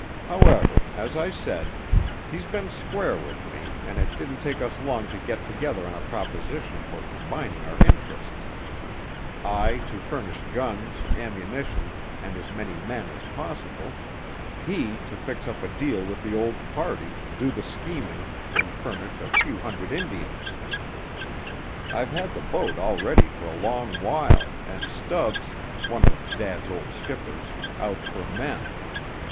However, as I said, he's been square with me and it didn't take us long to get together on a proposition for combining our interests; I to furnish guns, ammunition, and as many men as possible, he to fix up a deal with the old party, do the scheming, and furnish a few hundred Indians. I've had the boat all ready for a long while, and Stubbs, one of Dad's old skippers, out for men.